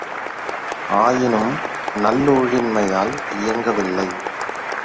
ஆயினும், நல்லூழின்மையால் இயங்கவில்லை.